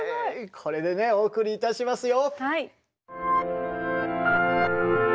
これでねお送りいたしますよ。